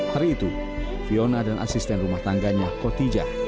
hari itu fiona dan asisten rumah tangganya koti jah